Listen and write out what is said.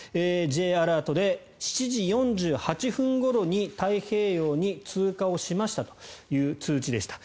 Ｊアラートで７時４８分ごろに太平洋に通過をしましたという通知でした。